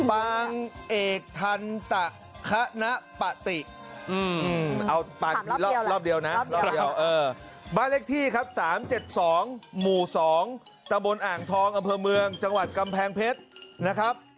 ปางเอกทันตะคณะปะติเอาไปรอบเดียวนะรอบเดียวบ้านเลขที่ครับ๓๗๒หมู่๒ตะบนอ่างทองอำเภอเมืองจังหวัดกำแพงเพชรนะครับ